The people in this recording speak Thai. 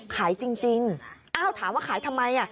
ขายจริงอ้าวถามว่าขายทำไม